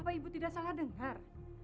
apa ibu tidak salah dengar